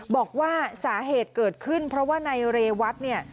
บอกว่าสาเหตุเกิดขึ้นเพราะว่าในเรวัตเนี่ย